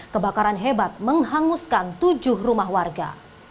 kebakaran hebat menghanguskan tujuh rumah warga